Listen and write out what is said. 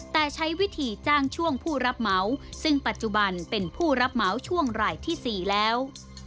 แต่ใช้วิธีจ้างช่วงผู้รับเหมาซึ่งปัจจุบันเป็นผู้รับเหมาช่วงรายที่๔แล้ว